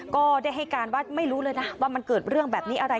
ก็ได้ให้การว่าไม่รู้เลยนะว่ามันเกิดเรื่องแบบนี้อะไร